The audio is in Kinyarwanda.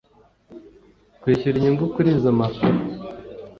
Kwishyura inyungu kuri izo mpapuro